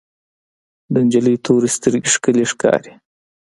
د انجلۍ تورې سترګې ښکلې ښکاري.